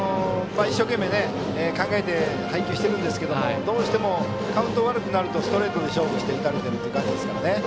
一生懸命考えて配球しているんですけどもどうしてもカウントが悪くなるとストレートで勝負して打たれている感じですからね。